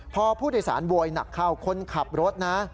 พอผู้โดยสารโวยหนักเข้าคนขับรถนะ